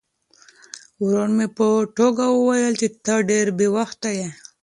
ورور مې په ټوکه وویل چې ته ډېر بې وخته یې.